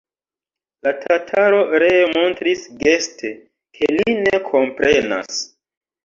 La tataro ree montris geste, ke li ne komprenas.